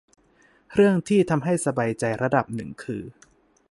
เรื่องที่ทำให้สบายใจระดับหนึ่งคือ